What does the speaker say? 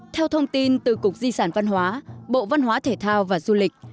theo thông tin từ cục di sản văn hóa bộ văn hóa thể thao và du lịch